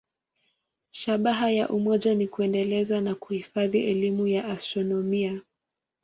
Shabaha ya umoja ni kuendeleza na kuhifadhi elimu ya astronomia.